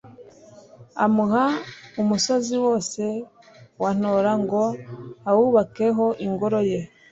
amuha umusozi wose wa Ntora ngo awubakeho ingoro ye